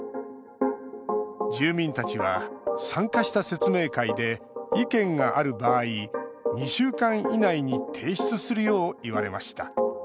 住民たちは参加した説明会で意見がある場合２週間以内に提出するよう言われました。